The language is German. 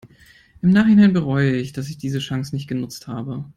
Im Nachhinein bereue ich, dass ich diese Chance nicht genutzt habe.